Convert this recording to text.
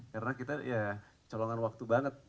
karena kita ya colongan waktu banget